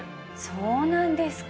そうなんですか。